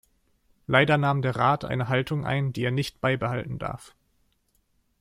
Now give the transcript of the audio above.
Leider nahm der Rat eine Haltung ein, die er nicht beibehalten darf.